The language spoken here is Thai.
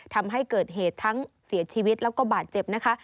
ทำให้เกิดเหตุทั้งเสียชีวิตแล้วก็บาดเจ็บนะคะ